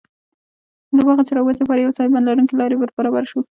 له باغه چې راووتو پر یوې سایبان لرونکې لارې وربرابر شوو.